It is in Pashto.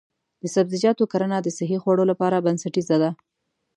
د سبزیجاتو کرنه د صحي خوړو لپاره بنسټیزه ده.